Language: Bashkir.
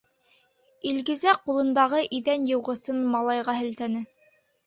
Илгизә ҡулындағы иҙән йыуғысын малайға һелтәне: